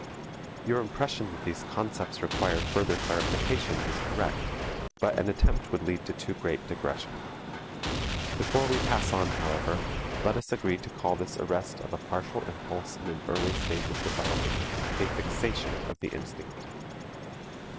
Your impression that these concepts require further clarification is correct, but an attempt would lead to too great digression. Before we pass on, however, let us agree to call this arrest of a partial impulse in an early stage of development, a fixation of the instinct.